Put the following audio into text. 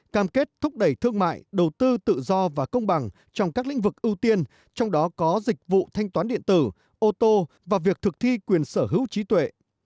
cam kết thúc đẩy thương mại đầu tư tự do và công bằng trong các lĩnh vực ưu tiên trong đó có dịch vụ thanh toán điện tử ô tô và việc thực thi quyền sở hữu trí tuệ